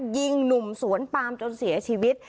ยิงหนุ่มสวนปามจนเสียชีวิต